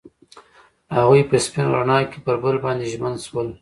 هغوی په سپین رڼا کې پر بل باندې ژمن شول.